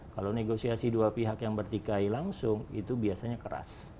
kalau negosiasi dua pihak yang bertikai langsung itu biasanya keras